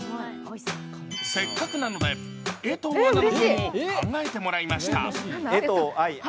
せっかくなので、江藤アナの分も考えてもらいました。